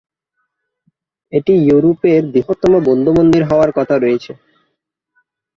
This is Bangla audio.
এটি ইউরোপের বৃহত্তম বৌদ্ধ মন্দির হওয়ার কথা রয়েছে।